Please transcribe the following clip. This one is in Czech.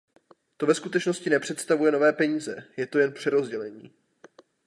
To ve skutečnosti nepředstavuje nové peníze; je to jen přerozdělení.